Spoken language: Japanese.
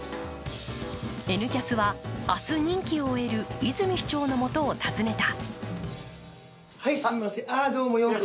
「Ｎキャス」は明日任期を終える泉市長のもとを訪ねた。